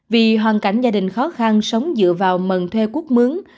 vì hoàn cảnh gia đình khó khăn sống dựa vào mần thuê quốc mướn